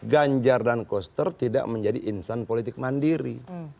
ganjar dan koster tidak menjadi insan politik mandiri